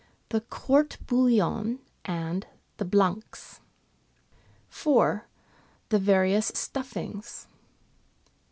The " Court Bouillon " and the " Blancs." 4. The various stuffings.